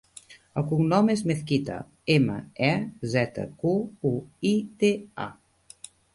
El cognom és Mezquita: ema, e, zeta, cu, u, i, te, a.